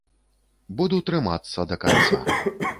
Буду трымацца да канца.